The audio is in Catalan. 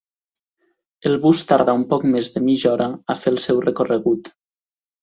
El bus tarda un poc més de mitja hora a fer el seu recorregut.